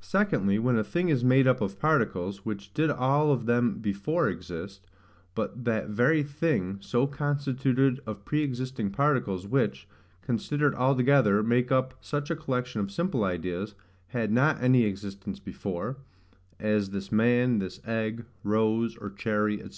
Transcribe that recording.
Secondly, When a thing is made up of particles, which did all of them before exist; but that very thing, so constituted of pre existing particles, which, considered all together, make up such a collection of simple ideas, had not any existence before, as this man, this egg, rose, or cherry, &c.